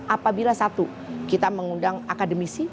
apabila satu kita mengundang akademisi